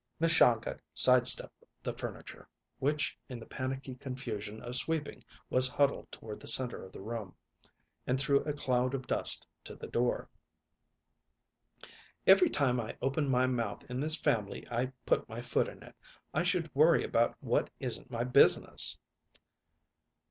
Miss Shongut side stepped the furniture, which in the panicky confusion of sweeping was huddled toward the center of the room, and through a cloud of dust to the door. "Every time I open my mouth in this family I put my foot in it. I should worry about what isn't my business!"